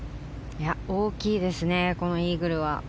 大きいですねイーグルは。